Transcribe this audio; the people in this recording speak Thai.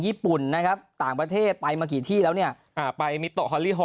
ญี่ปุ่นนะครับต่างประเทศไปมากี่ที่แล้วเนี่ยอ่าไปมีตัว